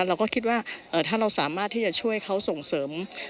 เราก็คิดว่าถ้าเราสามารถที่จะช่วยเขาส่งเสริม